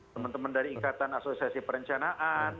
teman teman dari ikatan asosiasi perencanaan